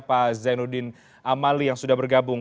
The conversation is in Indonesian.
pak zainuddin amali yang sudah bergabung